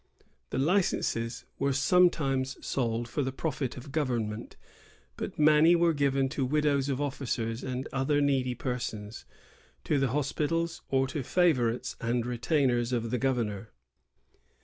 The licenses were some times sold for the profit of government; but many were given to widows of officers and other needy persons, to the hospitals, or to favorites and retainers of the governor.